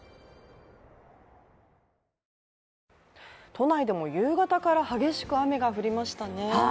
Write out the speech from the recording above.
都内でも夕方から激しく雨が降りましたね。